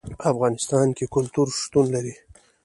په افغانستان کې کلتور شتون لري.